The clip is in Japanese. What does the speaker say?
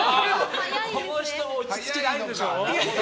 この人、落ち着きないでしょ。